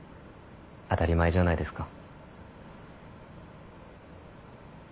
当たり前じゃないですか。